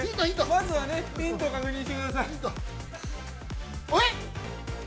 ◆まずはヒントを確認してください。